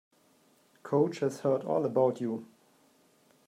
Coach has heard all about you.